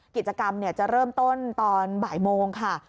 กิจกรรมจะเริ่มต้นตอนบ่ายโมงค่ะ